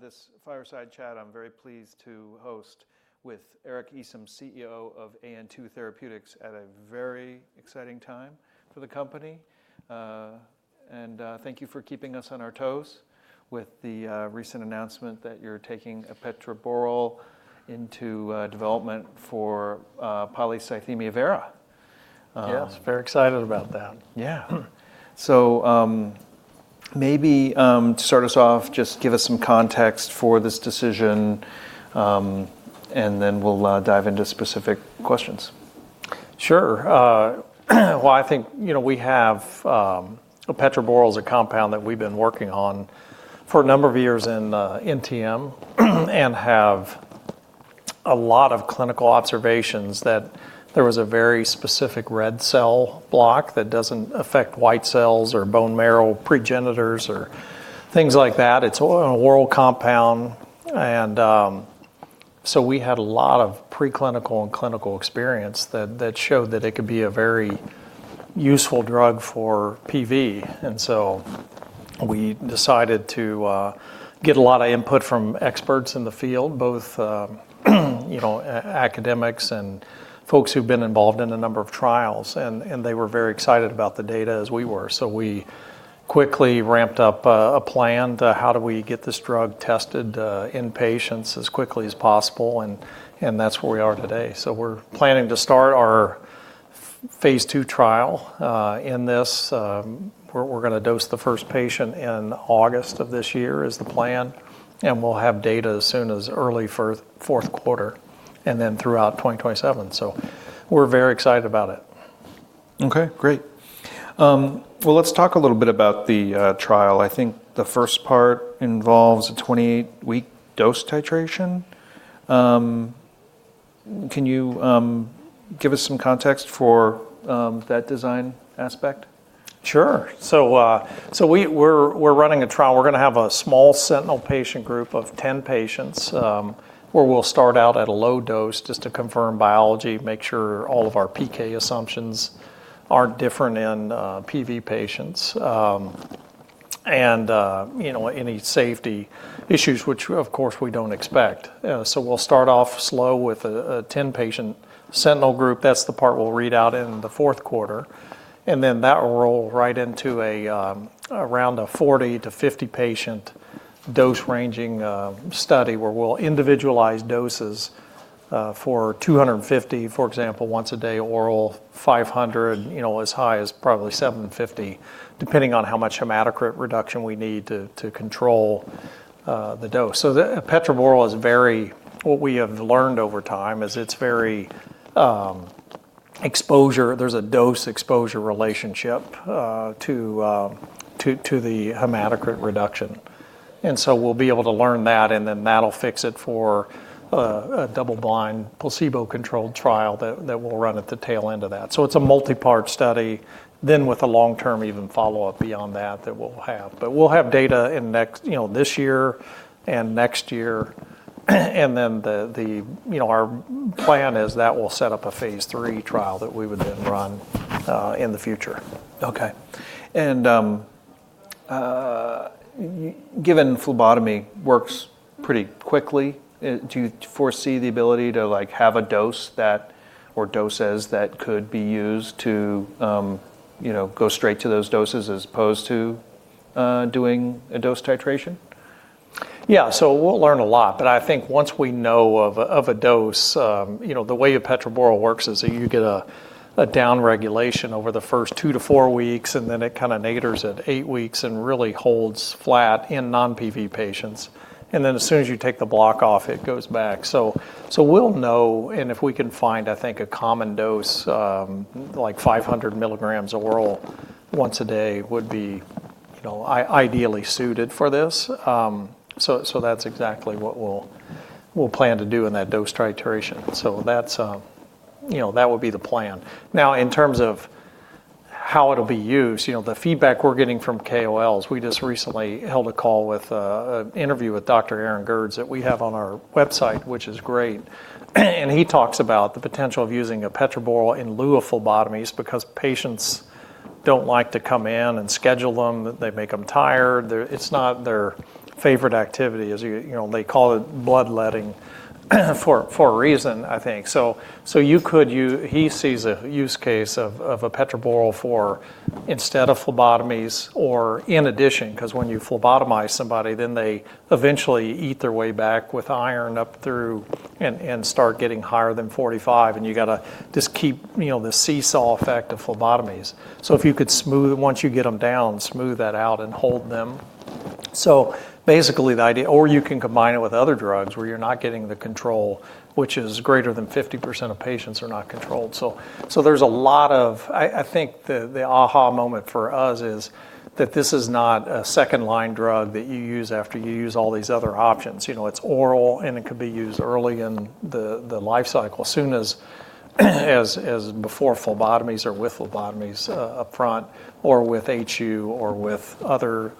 This fireside chat I'm very pleased to host with Eric Easom, CEO of AN2 Therapeutics at a very exciting time for the company. Thank you for keeping us on our toes with the recent announcement that you're taking epetraborole into development for polycythemia vera. Yes, very excited about that. Yeah. Maybe to start us off, just give us some context for this decision, and then we'll dive into specific questions. Sure. Well, I think, you know, we have epetraborole's a compound that we've been working on for a number of years in NTM and have a lot of clinical observations that there was a very specific red cell block that doesn't affect white cells or bone marrow progenitors or things like that. It's an oral compound, and so we had a lot of preclinical and clinical experience that showed that it could be a very useful drug for PV. We decided to get a lot of input from experts in the field, both you know academics and folks who've been involved in a number of trials, and they were very excited about the data as we were. We quickly ramped up a plan to how do we get this drug tested in patients as quickly as possible and that's where we are today. We're planning to start our Phase 2 trial in this. We're gonna dose the first patient in August of this year is the plan, and we'll have data as soon as early fourth quarter, and then throughout 2027. We're very excited about it. Okay. Great. Well, let's talk a little bit about the trial. I think the first part involves a 20-week dose titration. Can you give us some context for that design aspect? Sure. We're running a trial. We're gonna have a small sentinel patient group of 10 patients, where we'll start out at a low dose just to confirm biology, make sure all of our PK assumptions aren't different in PV patients. You know, any safety issues which, of course, we don't expect. We'll start off slow with a 10-patient sentinel group. That's the part we'll read out in the fourth quarter, and then that will roll right into around a 40-50 patient dose ranging study, where we'll individualize doses for 250, for example, once a day oral, 500, you know, as high as probably 750, depending on how much hematocrit reduction we need to control the dose. The epetraborole is very. What we have learned over time is it's very exposure. There's a dose-exposure relationship to the hematocrit reduction. We'll be able to learn that and then that'll fix it for a double blind placebo-controlled trial that will run at the tail end of that. It's a multi-part study then with a long-term even follow-up beyond that that we'll have. We'll have data in next, you know, this year and next year. The, you know, our plan is that we'll set up a Phase 3 trial that we would then run in the future. Given phlebotomy works pretty quickly, do you foresee the ability to like have a dose that or doses that could be used to, you know, go straight to those doses as opposed to doing a dose titration? We'll learn a lot, but I think once we know of a dose. You know, the way epetraborole works is that you get a downregulation over the first two to four weeks, and then it kinda nadirs at eight weeks and really holds flat in non-PV patients. As soon as you take the block off, it goes back. We'll know and if we can find, I think, a common dose, like 500 milligrams oral once a day would be, you know, ideally suited for this. That's exactly what we'll plan to do in that dose titration. That's, you know, that would be the plan. Now, in terms of how it'll be used, you know, the feedback we're getting from KOLs, we just recently held a call with an interview with Dr. Aaron T. Gerds that we have on our website, which is great, and he talks about the potential of using epetraborole in lieu of phlebotomies because patients don't like to come in and schedule them, they make them tired. It's not their favorite activity, as you know, they call it bloodletting for a reason, I think. You could. He sees a use case of epetraborole for instead of phlebotomies or in addition, 'cause when you phlebotomize somebody, then they eventually eat their way back with iron up through and start getting higher than 45, and you gotta just keep, you know, the seesaw effect of phlebotomies. If you could. Once you get them down, smooth that out and hold them. You can combine it with other drugs where you're not getting the control, which is greater than 50% of patients are not controlled. I think the aha moment for us is that this is not a second line drug that you use after you use all these other options. You know, it's oral and it could be used early in the life cycle, as soon as before phlebotomies or with phlebotomies up front or with HU or with other,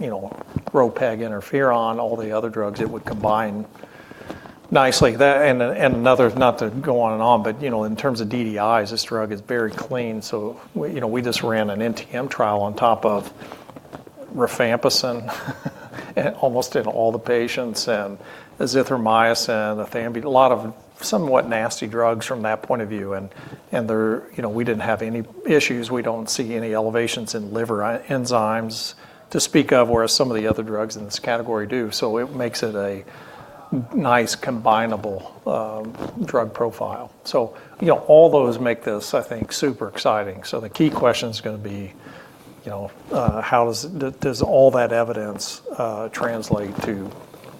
you know, ropeg, interferon, all the other drugs, it would combine nicely. That and another, not to go on and on, but, you know, in terms of DDIs, this drug is very clean. We, you know, we just ran an NTM trial on top of rifampicin in almost all the patients and azithromycin, ethambutol, a lot of somewhat nasty drugs from that point of view. You know, we didn't have any issues. We don't see any elevations in liver enzymes to speak of, whereas some of the other drugs in this category do. It makes it a nice combinable drug profile. You know, all those make this, I think, super exciting. The key question's gonna be, you know, how does all that evidence translate to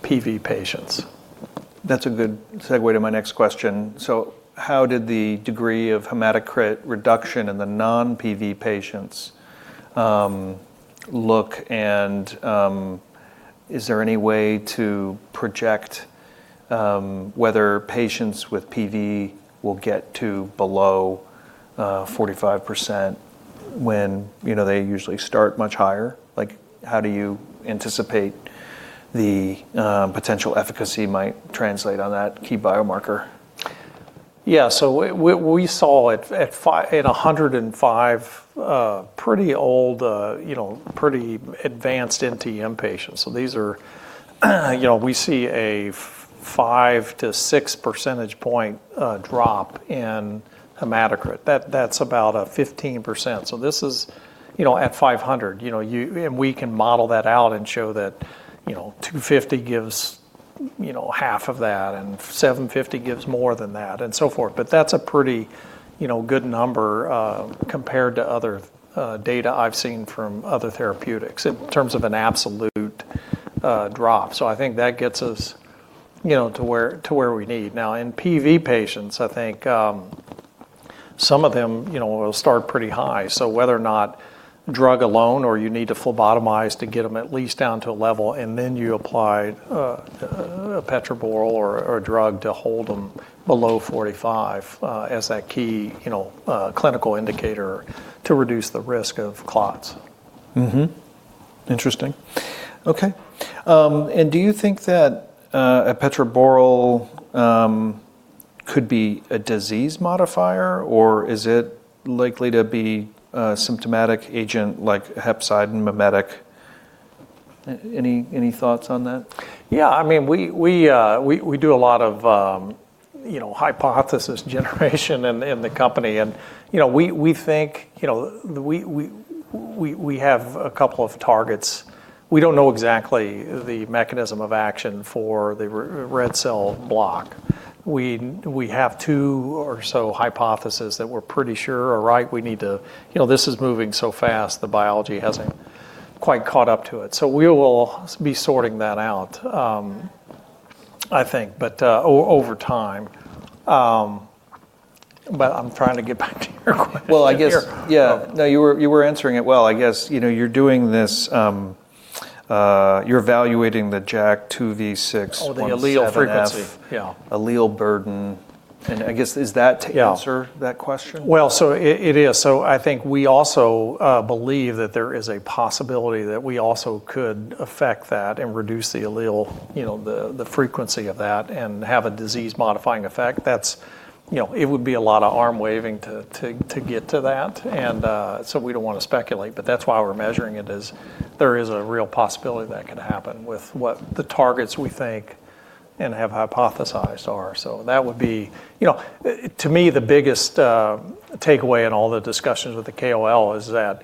PV patients? That's a good segue to my next question. How did the degree of hematocrit reduction in the non-PV patients look? And is there any way to project whether patients with PV will get to below 45% when you know they usually start much higher? Like how do you anticipate the potential efficacy might translate on that key biomarker? Yeah, we saw in 105 pretty old, you know, pretty advanced NTM patients. These are, you know, we see a 5-6 percentage point drop in hematocrit. That's about a 15%. This is, you know, at 500. You know, we can model that out and show that, you know, 250 gives, you know, half of that, and 750 gives more than that, and so forth. But that's a pretty, you know, good number compared to other data I've seen from other therapeutics in terms of an absolute drop. I think that gets us, you know, to where we need. Now, in PV patients, I think some of them, you know, will start pretty high. whether or not drug alone or you need to phlebotomize to get them at least down to a level, and then you apply, epetraborole or a drug to hold them below 45, as that key, you know, clinical indicator to reduce the risk of clots. Mm-hmm. Interesting. Okay. Do you think that epetraborole could be a disease modifier, or is it likely to be a symptomatic agent like hepcidin mimetic? Any thoughts on that? Yeah, I mean, we do a lot of, you know, hypothesis generation in the company. You know, we think, you know, we have a couple of targets. We don't know exactly the mechanism of action for the red cell block. We have two or so hypotheses that we're pretty sure are right. We need to, you know, this is moving so fast, the biology hasn't quite caught up to it. We will be sorting that out, I think, but over time. I'm trying to get back to your question here. Well, I guess. Yeah. No, you were answering it well. I guess, you know, you're doing this, you're evaluating the JAK2V617F. Oh, the allele frequency. Yeah allele burden. I guess, is that to answer? Yeah that question? It is. I think we also believe that there is a possibility that we also could affect that and reduce the allele, you know, the frequency of that and have a disease modifying effect. That's, you know, it would be a lot of arm waving to get to that. We don't wanna speculate, but that's why we're measuring it is there is a real possibility that could happen with what the targets we think and have hypothesized are. That would be. You know, to me, the biggest takeaway in all the discussions with the KOL is that,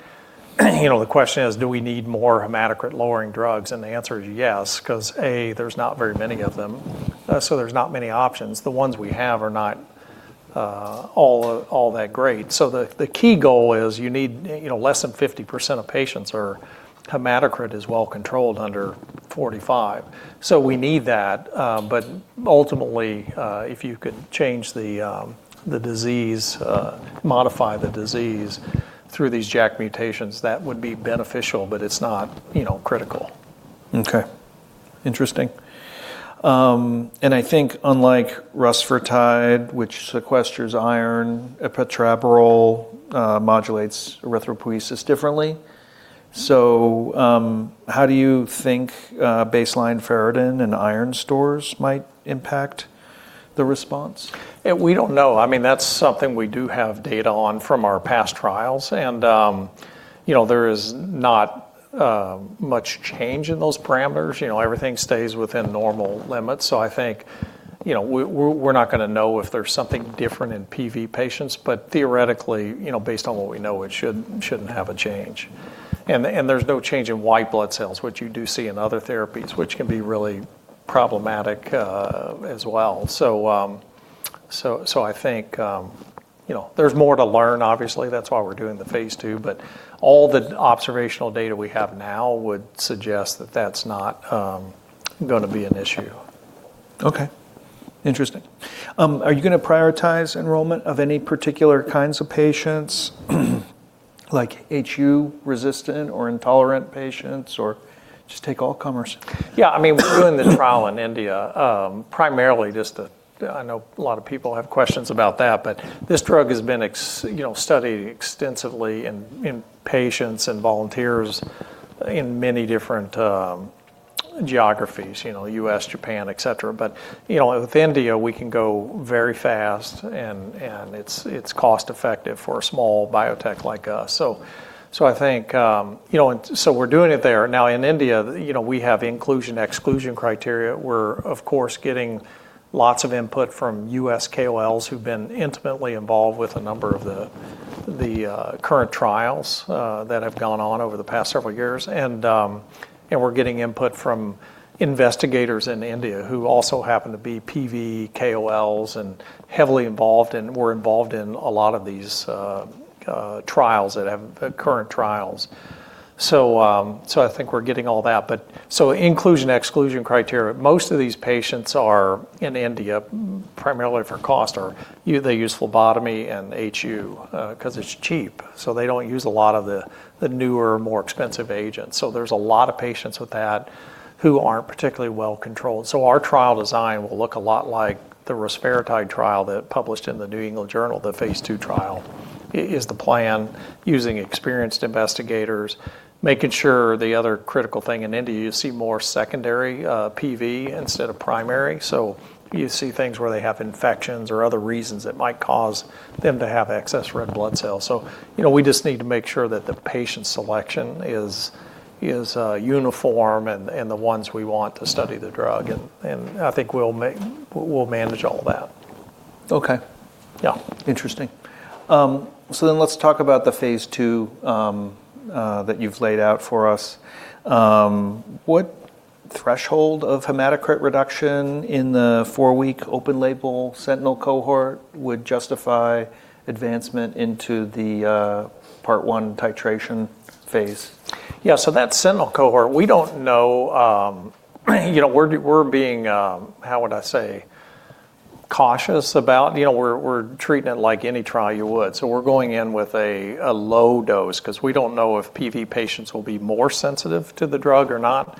you know, the question is: Do we need more hematocrit lowering drugs? The answer is yes, 'cause, A, there's not very many of them. There's not many options. The ones we have are not all that great. The key goal is you need, you know, less than 50% of patients or hematocrit is well controlled under 45. We need that. Ultimately, if you could change the disease, modify the disease through these JAK mutations, that would be beneficial, but it's not, you know, critical. Okay. Interesting. I think unlike rusfertide, which sequesters iron, epetraborole modulates erythropoiesis differently. How do you think baseline ferritin and iron stores might impact the response? We don't know. I mean, that's something we do have data on from our past trials. You know, there is not much change in those parameters. You know, everything stays within normal limits. I think, you know, we're not gonna know if there's something different in PV patients. Theoretically, you know, based on what we know, it shouldn't have a change. There's no change in white blood cells, which you do see in other therapies, which can be really problematic, as well. I think, you know, there's more to learn, obviously. That's why we're doing the Phase 2. All the observational data we have now would suggest that that's not gonna be an issue. Okay. Interesting. Are you gonna prioritize enrollment of any particular kinds of patients, like HU-resistant or intolerant patients, or just take all comers? Yeah, I mean, we're doing the trial in India, primarily. I know a lot of people have questions about that. This drug has been studied extensively in patients and volunteers in many different geographies, you know, U.S., Japan, et cetera. You know, with India, we can go very fast and it's cost-effective for a small biotech like us. I think, you know, we're doing it there. Now, in India, you know, we have inclusion, exclusion criteria. We're, of course, getting lots of input from U.S. KOLs who've been intimately involved with a number of the current trials that have gone on over the past several years. We're getting input from investigators in India who also happen to be PV KOLs and heavily involved and were involved in a lot of these current trials. I think we're getting all that. Inclusion, exclusion criteria, most of these patients are in India primarily for cost or they use phlebotomy and HU 'cause it's cheap, so they don't use a lot of the newer, more expensive agents. There's a lot of patients with that who aren't particularly well controlled. Our trial design will look a lot like the rusfertide trial that published in The New England Journal, the Phase 2 trial is the plan using experienced investigators, making sure the other critical thing in India, you see more secondary PV instead of primary. You see things where they have infections or other reasons that might cause them to have excess red blood cells. You know, we just need to make sure that the patient selection is uniform and the ones we want to study the drug, and I think we'll manage all that. Okay. Yeah. Interesting. Let's talk about the phase II that you've laid out for us. What threshold of hematocrit reduction in the four-week open-label sentinel cohort would justify advancement into the part one titration phase? Yeah. That sentinel cohort, we don't know, you know, we're being, how would I say, cautious about. You know, we're treating it like any trial you would. We're going in with a low dose 'cause we don't know if PV patients will be more sensitive to the drug or not.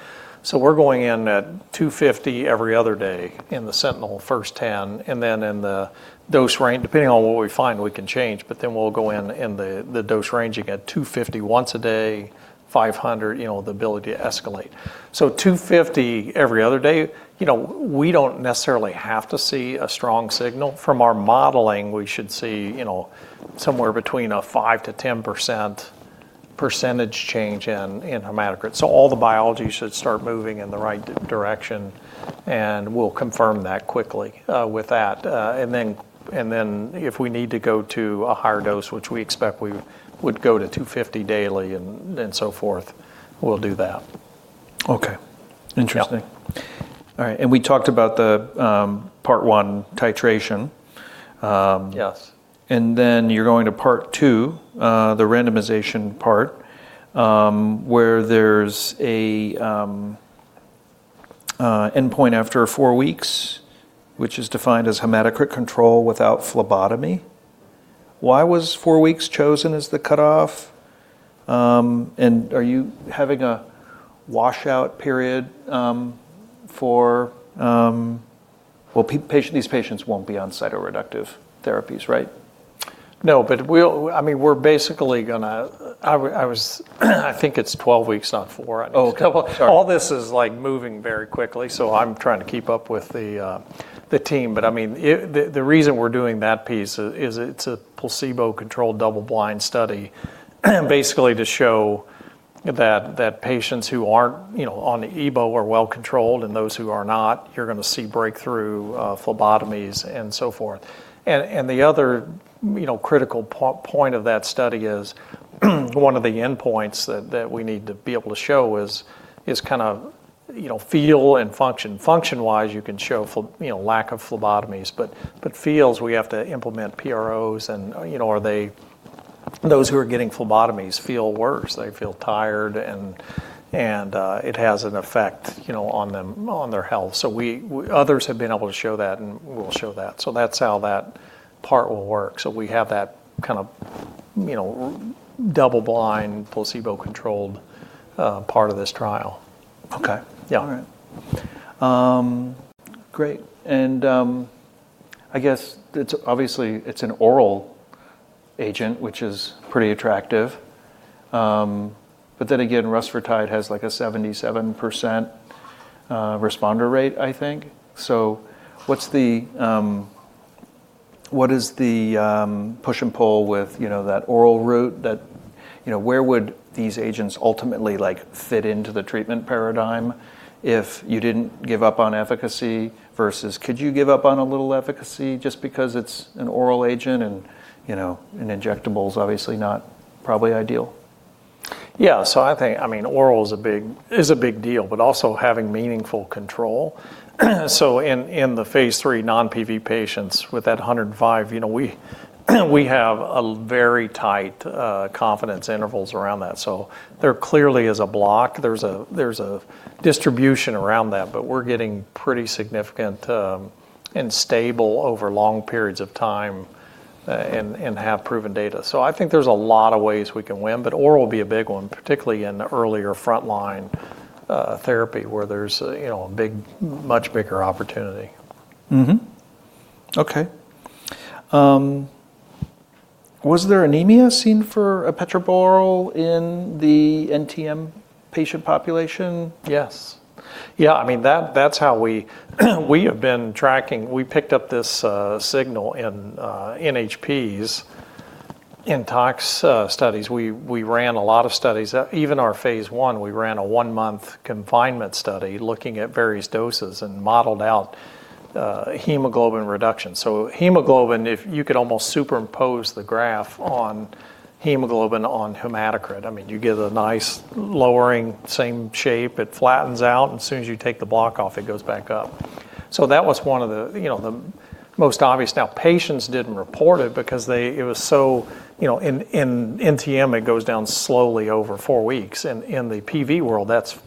We're going in at 250 every other day in the sentinel first 10, and then in the dose range, depending on what we find, we can change, but then we'll go in, the dose ranging at 250 once a day, 500, you know, the ability to escalate. 250 every other day, you know, we don't necessarily have to see a strong signal. From our modeling, we should see, you know, somewhere between a 5%-10% percentage change in hematocrit. All the biology should start moving in the right direction, and we'll confirm that quickly with that. Then if we need to go to a higher dose, which we expect, we would go to 250 daily and then so forth, we'll do that. Okay. Interesting. Yeah. All right. We talked about the part one titration. Yes You're going to part two, the randomization part, where there's an endpoint after four weeks, which is defined as hematocrit control without phlebotomy. Why was four weeks chosen as the cutoff? Are you having a washout period? Well, these patients won't be on cytoreductive therapies, right? No, I mean, we're basically gonna, I think it's 12 weeks, not four. Oh, 12, sorry. All this is, like, moving very quickly, so I'm trying to keep up with the team. I mean, the reason we're doing that piece is it's a placebo-controlled double-blind study, basically to show that patients who aren't, you know, on the epetraborole are well controlled, and those who are not, you're gonna see breakthrough phlebotomies and so forth. The other, you know, critical point of that study is one of the endpoints that we need to be able to show is kind of, you know, feel and function. Function-wise, you can show lack of phlebotomies, but feels, we have to implement PROs and, you know, are they, those who are getting phlebotomies feel worse. They feel tired and it has an effect, you know, on them, on their health. Others have been able to show that, and we'll show that. That's how that part will work. We have that kind of, you know, double-blind, placebo-controlled, part of this trial. Okay. Yeah. All right. Great. I guess it's obviously an oral agent, which is pretty attractive. Then again, rusfertide has like a 77% responder rate, I think. What is the push and pull with, you know, that oral route that, you know, where would these agents ultimately like fit into the treatment paradigm if you didn't give up on efficacy versus could you give up on a little efficacy just because it's an oral agent and, you know, an injectable is obviously not probably ideal? Yeah. I think, I mean, oral is a big deal, but also having meaningful control. In the Phase 3 non-PV patients with that 105, you know, we have a very tight confidence intervals around that. There clearly is a block. There's a distribution around that, but we're getting pretty significant and stable over long periods of time and have proven data. I think there's a lot of ways we can win, but oral will be a big one, particularly in the earlier frontline therapy where there's a, you know, a big, much bigger opportunity. Was there anemia seen for epetraborole in the NTM patient population? Yes. Yeah, I mean, that's how we have been tracking. We picked up this signal in NHPs in tox studies. We ran a lot of studies. Even our phase one, we ran a one-month confinement study looking at various doses and modeled out hemoglobin reduction. So hemoglobin, if you could almost superimpose the graph on hemoglobin on hematocrit, I mean, you get a nice lowering, same shape. It flattens out, and as soon as you take the block off, it goes back up. So that was one of the, you know, the most obvious. Now, patients didn't report it because they it was so, you know, in NTM, it goes down slowly over four weeks, and in the PV world, that's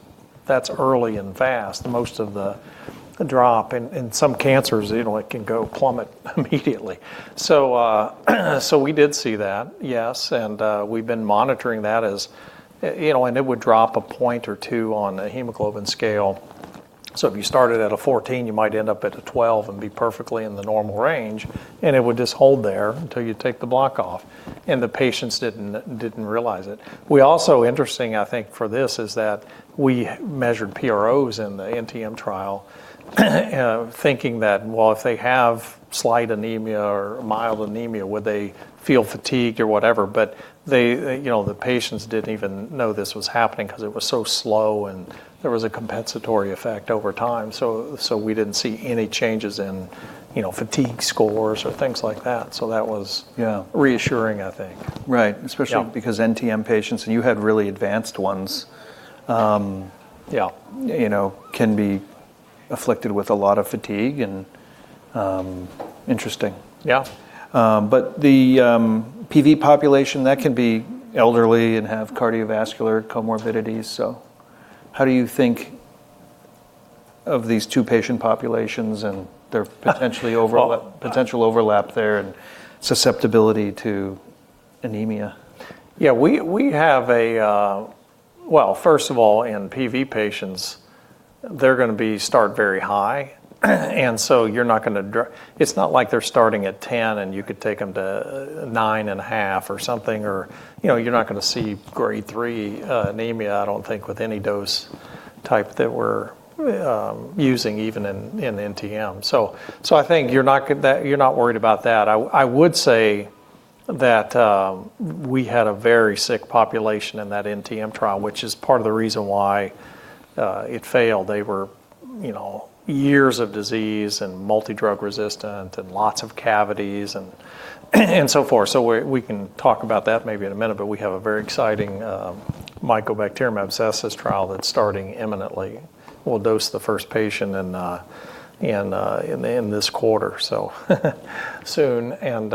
early and fast. Most of the drop in some cancers, you know, it can go plummet immediately. We did see that, yes, and we've been monitoring that as, you know, and it would drop a point or two on a hemoglobin scale. If you started at a 14, you might end up at a 12 and be perfectly in the normal range, and it would just hold there until you take the block off, and the patients didn't realize it. We also, interesting, I think, for this is that we measured PROs in the NTM trial thinking that, well, if they have slight anemia or mild anemia, would they feel fatigued or whatever? But they, you know, the patients didn't even know this was happening because it was so slow, and there was a compensatory effect over time. We didn't see any changes in, you know, fatigue scores or things like that. That was, yeah, reassuring, I think. Right. Yeah. Especially because NTM patients, and you had really advanced ones. Yeah You know, can be afflicted with a lot of fatigue and, interesting. Yeah. The PV population that can be elderly and have cardiovascular comorbidities. How do you think of these two patient populations and their potentially overlap? All- potential overlap there and susceptibility to anemia? Well, first of all, in PV patients, they're gonna start very high, and so you're not gonna. It's not like they're starting at 10, and you could take them to 9.5 or something, or, you know, you're not gonna see grade 3 anemia, I don't think, with any dose type that we're using even in NTM. I think that you're not worried about that. I would say that we had a very sick population in that NTM trial, which is part of the reason why it failed. They were, you know, years of disease and multidrug-resistant and lots of cavities and so forth. We can talk about that maybe in a minute, but we have a very exciting Mycobacterium abscessus trial that's starting imminently. We'll dose the first patient in this quarter, so soon, and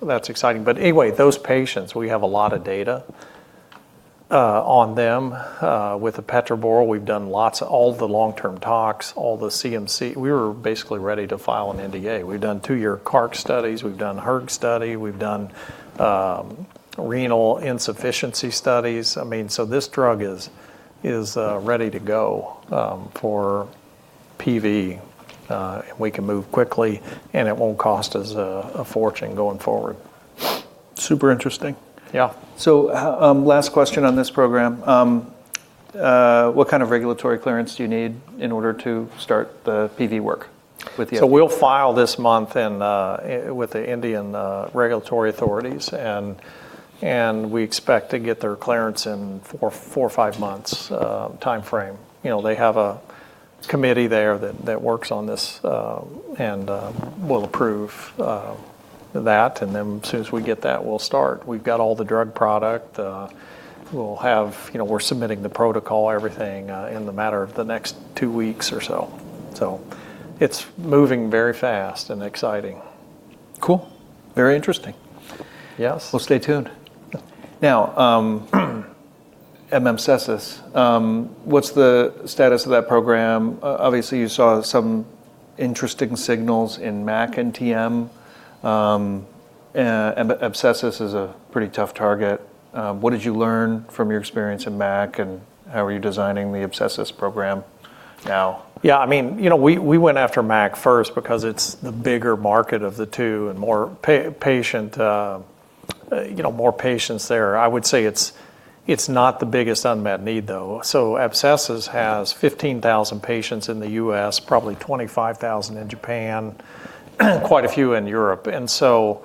that's exciting. Anyway, those patients, we have a lot of data on them with epetraborole. We've done lots, all the long-term tox, all the CMC. We were basically ready to file an NDA. We've done two-year carcinogenicity studies. We've done hERG study. We've done renal insufficiency studies. I mean, this drug is ready to go for PV, and we can move quickly, and it won't cost us a fortune going forward. Super interesting. Yeah. Last question on this program. What kind of regulatory clearance do you need in order to start the PV work with the- We'll file this month with the Indian regulatory authorities, and we expect to get their clearance in 4-5 months timeframe. You know, they have a committee there that works on this, and will approve that, and then as soon as we get that, we'll start. We've got all the drug product. You know, we're submitting the protocol, everything, in a matter of the next 2 weeks or so. It's moving very fast and exciting. Cool. Very interesting. Yes. Well, stay tuned. Now, M. abscessus, what's the status of that program? Obviously, you saw some interesting signals in MAC and NTM, but abscessus is a pretty tough target. What did you learn from your experience in MAC, and how are you designing the abscessus program now? Yeah, I mean, you know, we went after MAC first because it's the bigger market of the two and more patients there. I would say it's not the biggest unmet need, though. Abscessus has 15,000 patients in the U.S., probably 25,000 in Japan, quite a few in Europe, and it's a.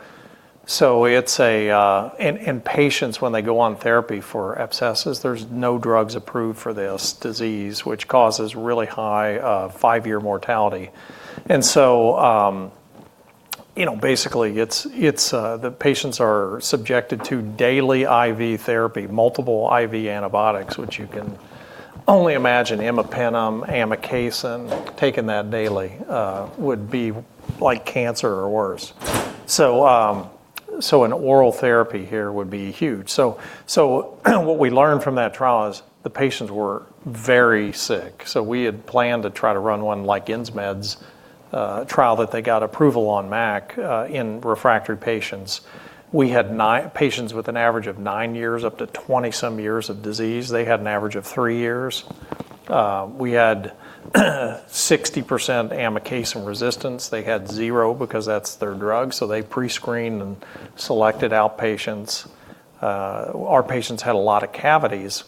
In patients, when they go on therapy for abscessus, there's no drugs approved for this disease, which causes really high five-year mortality. You know, basically, it's the patients are subjected to daily IV therapy, multiple IV antibiotics, which you can only imagine imipenem, amikacin, taking that daily would be like cancer or worse. An oral therapy here would be huge. What we learned from that trial is the patients were very sick. We had planned to try to run one like Insmed's trial that they got approval on MAC in refractory patients. We had 9 patients with an average of 9 years up to 20-some years of disease. They had an average of 3 years. We had 60% amikacin resistance. They had zero because that's their drug, so they prescreened and selected out patients. Our patients had a lot of cavities.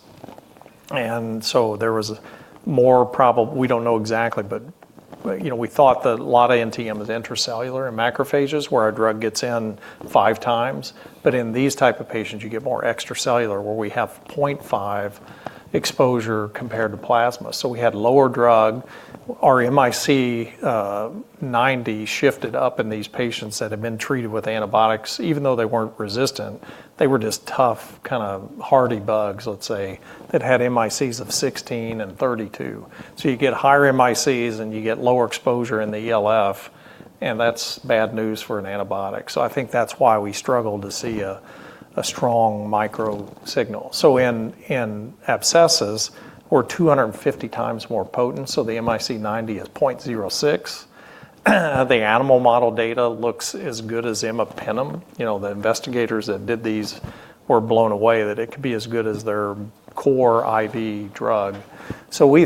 We don't know exactly, but, you know, we thought that a lot of NTM was intracellular in macrophages where our drug gets in 5x. But in these type of patients, you get more extracellular where we have 0.5 exposure compared to plasma. We had lower drug. Our MIC90 shifted up in these patients that had been treated with antibiotics. Even though they weren't resistant, they were just tough, kind of hardy bugs, let's say, that had MICs of 16 and 32. You get higher MICs, and you get lower exposure in the ELF, and that's bad news for an antibiotic. I think that's why we struggle to see a strong micro signal. In M. abscessus, we're 250x more potent, so the MIC90 is 0.06. The animal model data looks as good as imipenem. You know, the investigators that did these were blown away that it could be as good as their core IV drug. We're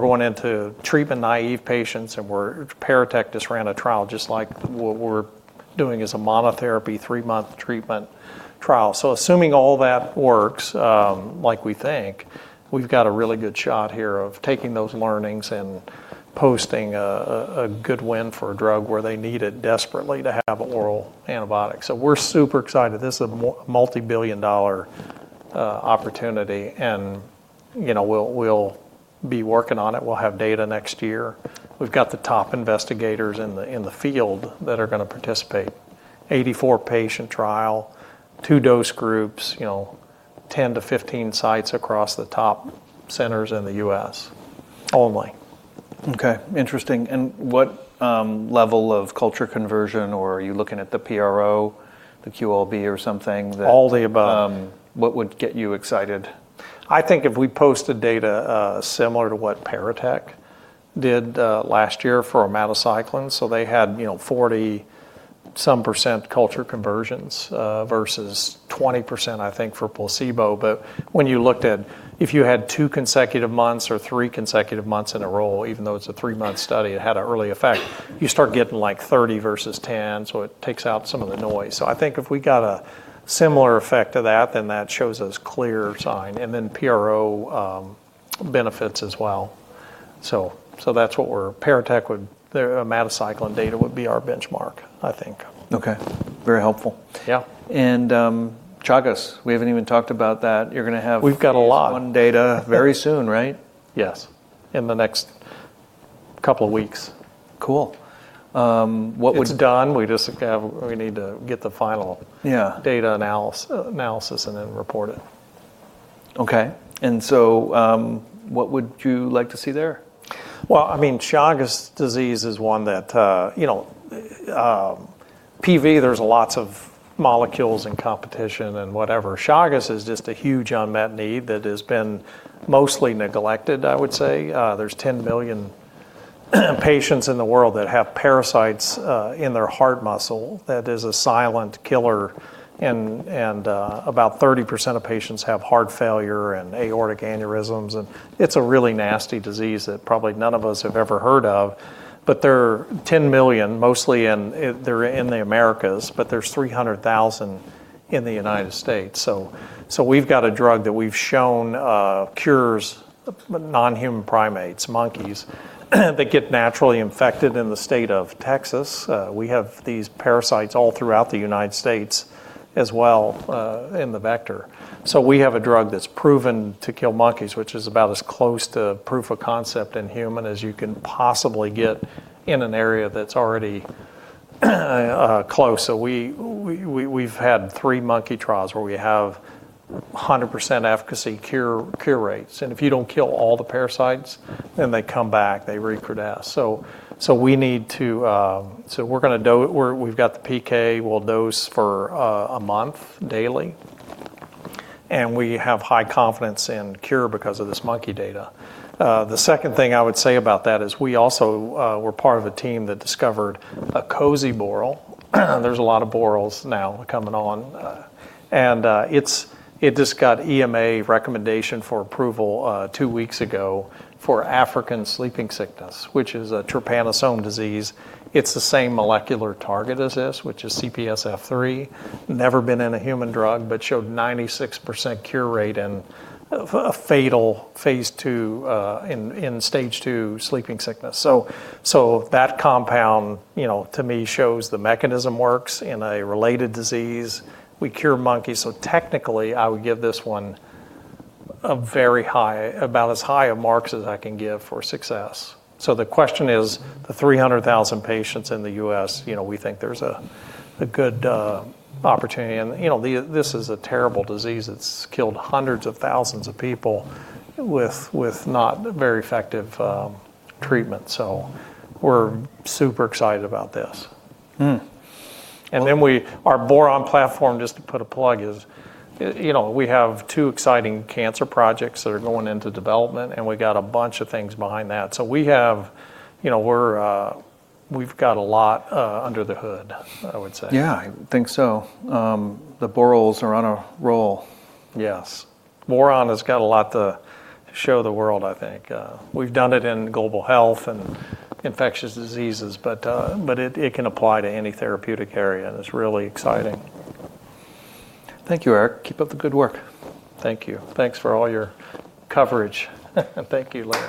going into treatment-naive patients, and Paratek just ran a trial just like what we're doing as a monotherapy 3-month treatment trial. Assuming all that works, like we think, we've got a really good shot here of taking those learnings and posting a good win for a drug where they need it desperately to have oral antibiotics. We're super excited. This is a multi-billion dollar opportunity, and, you know, we'll be working on it. We'll have data next year. We've got the top investigators in the field that are gonna participate. 84-patient trial, two dose groups, you know, 10-15 sites across the top centers in the U.S. Only. Okay. Interesting. What level of culture conversion, or are you looking at the PRO, the QOL-B or something that? All the above. What would get you excited? I think if we posted data similar to what Paratek did last year for omadacycline. They had, you know, 40-some% culture conversions versus 20%, I think, for placebo. When you looked at if you had two consecutive months or three consecutive months in a row, even though it's a 3-month study, it had an early effect. You start getting, like, 30% versus 10%. It takes out some of the noise. I think if we got a similar effect to that, then that shows us a clear sign and then PRO benefits as well. Paratek's omadacycline data would be our benchmark, I think. Okay. Very helpful. Yeah. Chagas, we haven't even talked about that. You're gonna have We've got a lot. Phase 1 data very soon, right? Yes. In the next couple weeks. Cool. It's done. We need to get the final. Yeah data analysis and then report it. Okay. What would you like to see there? Well, I mean, Chagas disease is one that, you know, PV, there's lots of molecules and competition and whatever. Chagas is just a huge unmet need that has been mostly neglected, I would say. There's 10 million patients in the world that have parasites in their heart muscle that is a silent killer. About 30% of patients have heart failure and aortic aneurysms, and it's a really nasty disease that probably none of us have ever heard of. There are 10 million, mostly in, they're in the Americas, but there's 300,000 in the United States. We've got a drug that we've shown cures non-human primates, monkeys, that get naturally infected in the state of Texas. We have these parasites all throughout the United States as well in the vector. We have a drug that's proven to kill monkeys, which is about as close to proof of concept in human as you can possibly get in an area that's already close. We've had three monkey trials where we have 100% efficacy, cure rates. If you don't kill all the parasites, then they come back, they recrudesce. We've got the PK. We'll dose for a month daily, and we have high confidence in cure because of this monkey data. The second thing I would say about that is we also were part of a team that discovered acoziborole. There's a lot of boroles now coming on. It just got EMA recommendation for approval two weeks ago for African sleeping sickness, which is a Trypanosome disease. It's the same molecular target as this, which is CPSF3. Never been in a human drug, but showed 96% cure rate in a fatal Phase 2 in stage two sleeping sickness. That compound, you know, to me shows the mechanism works in a related disease. We cure monkeys, so technically I would give this one a very high, about as high a mark as I can give for success. The question is the 300,000 patients in the U.S., you know, we think there's a good opportunity, and, you know, this is a terrible disease. It's killed hundreds of thousands of people with not very effective treatment, so we're super excited about this. Hmm. Our boron platform, just to put a plug is, you know, we have two exciting cancer projects that are going into development, and we got a bunch of things behind that. We have, you know, we've got a lot under the hood, I would say. Yeah, I think so. The boroles are on a roll. Yes. Boron has got a lot to show the world, I think. We've done it in global health and infectious diseases, but it can apply to any therapeutic area, and it's really exciting. Thank you, Eric. Keep up the good work. Thank you. Thanks for all your coverage. Thank you, Larry.